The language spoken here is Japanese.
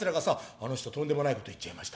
『あの人とんでもないこと言っちゃいました。